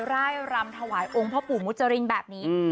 ร่ายรำถวายองค์พ่อปู่มุจรินแบบนี้